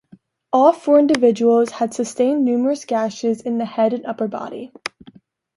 All four individuals had sustained numerous gashes in the head and upper body.